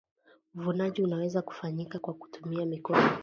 uvunaji unaweza kufanyika kwa kutumia mikono